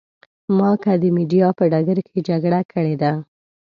ما که د مېډیا په ډګر کې جګړه کړې ده.